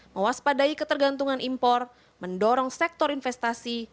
mewaspadai ketergantungan impor mendorong sektor investasi